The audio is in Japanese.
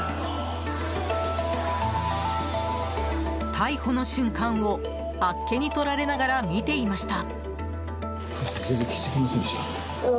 逮捕の瞬間をあっけにとられながら見ていました。